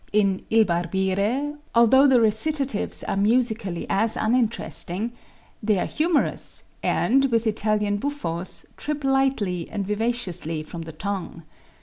In "Il Barbiere," although the recitatives are musically as uninteresting, they are humorous, and, with Italian buffos, trip lightly and vivaciously from the tongue.